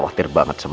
itu bu mereka